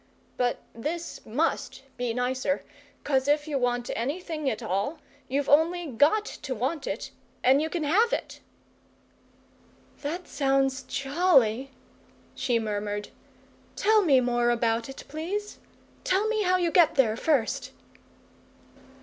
But this MUST be nicer, 'cos if you want anything at all, you've only GOT to want it, and you can have it!" "That sounds jolly," she murmured. "Tell me more about it, please. Tell me how you get there, first."